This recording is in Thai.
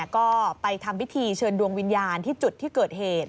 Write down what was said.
ก็ไปทำพิธีเชิญดวงวิญญาณที่จุดที่เกิดเหตุ